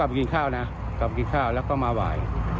กลับมากินข้าวนะกลับมากินข้าวแล้วก็มาหาย